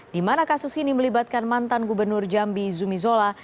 di mana kasus ini melibatkan mantan gubernur jambi zumi zola